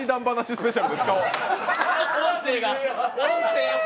スペシャルで使お。